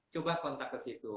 coba kontak ke situ